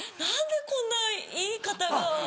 何でこんないい方が。